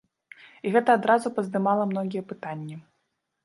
І гэта адразу паздымала многія пытанні.